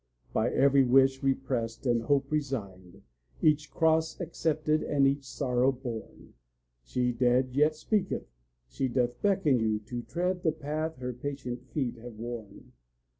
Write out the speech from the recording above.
By every wish repressed and hope resigned, Each cross accepted and each sorrow borne, She dead yet speaketh, she doth beckon you To tread the path her patient feet have worn.